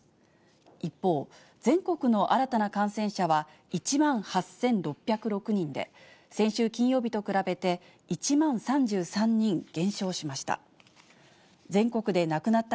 一方、全国の新たな感染者は１万８６０６人で、先週金曜日と比べて１万３３人減少しました。